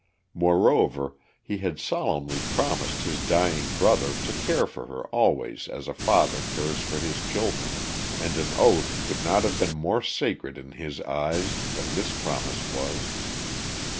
Moreover, he had solemnly promised his dying brother to care for her always as a father cares for his children, and an oath could not have been more sacred in his eyes than this promise was.